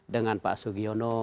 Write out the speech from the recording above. dengan pak sugiono